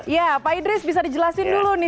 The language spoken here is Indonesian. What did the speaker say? ya pak idris bisa dijelasin dulu nih